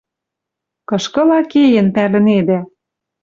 Кышкыла кеен, пӓлӹнедӓ.